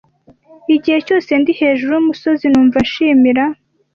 Igihe cyose ndi hejuru yumusozi, numva nshimira.